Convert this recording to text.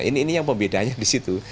ini yang pembedanya di situ